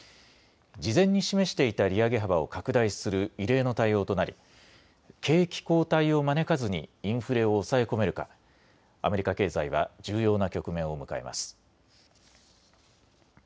事前に示していた利上げ幅を拡大する異例の対応となり景気後退を招かずにインフレを抑え込めるかアメリカ経済は重要な局面を迎えます。